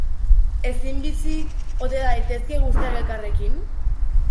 Ezin bizi ote daitezke guztiak elkarrekin?